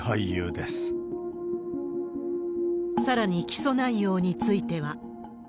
さらに、起訴内容については。